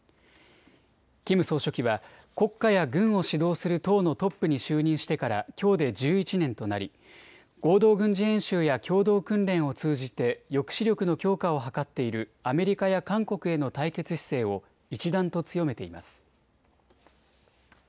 キム総書記は国家や軍を指導する党のトップに就任してからきょうで１１年となり合同軍事演習や共同訓練を通じて抑止力の強化を図っているアメリカや韓国への対決姿勢を一段と強めています。